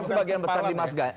sebagian besar di mas ganjar